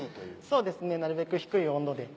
そうですねなるべく低い温度で。